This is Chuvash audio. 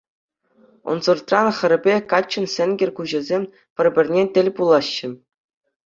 Ӑнсӑртран хӗрпе каччӑн сенкер куҫӗсем пӗр-пӗрне тӗл пулаҫҫӗ.